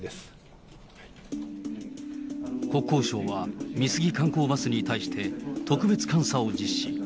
国交省は、美杉観光バスに対して、特別監査を実施。